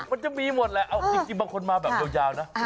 มันจะมีหมดแหละเอาจริงบางคนมาแบบยาวนะ